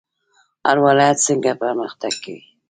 هر ولایت څنګه پرمختګ کوي؟